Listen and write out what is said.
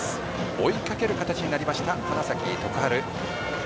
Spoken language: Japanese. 追いかける形となりました花咲徳栄。